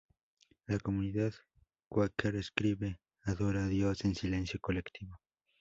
La comunidad Quaker, escribe, adora a Dios en silencio colectivo.